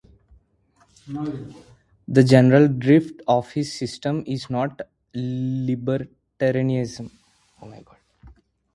The general drift of his system is not libertarianism.